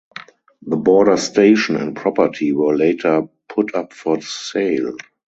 The border station and property were later put up for sale.